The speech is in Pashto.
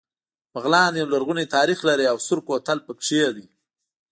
بغلان يو لرغونی تاریخ لري او سور کوتل پکې دی